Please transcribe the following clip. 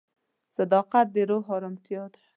صداقت د روح ارامتیا ده.